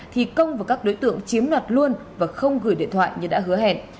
thì công và các đối tượng chiếm đoạt luôn và không gửi điện thoại như đã hứa hẹn